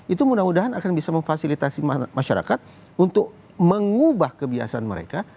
itu mudah mudahan akan bisa memfasilitasi masyarakat untuk mengubah kebiasaan mereka